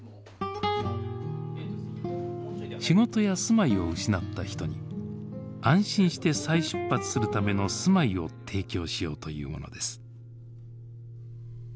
仕事や住まいを失った人に安心して再出発するための住まいを提供しようというものです。